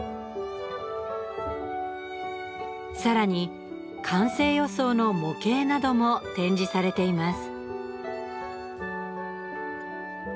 更に完成予想の模型なども展示されています。